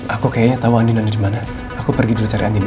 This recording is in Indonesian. aku kayaknya tahu andien ada dimana aku pergi cari andien ya